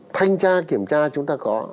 thanh tra kiểm tra chúng ta có